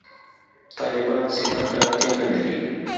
«طالبان» صفت ته اړتیا نه لري.